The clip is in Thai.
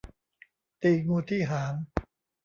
ตีงูที่หาง